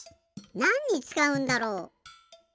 なんにつかうんだろう？